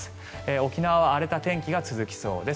沖縄は荒れた天気が続きそうです。